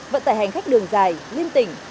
vận tải hành khách đường dài liên tỉnh